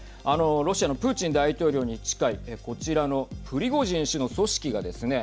ロシアのプーチン大統領に近いこちらのプリゴジン氏の組織がですね